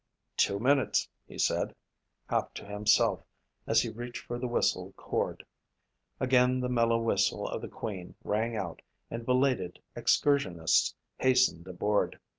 "Two minutes," he said, half to himself as he reached for the whistle cord. Again the mellow whistle of the Queen rang out and belated excursionists hastened aboard.